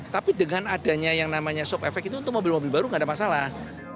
tapi dengan adanya yang namanya soft efek itu untuk mobil mobil baru nggak ada masalah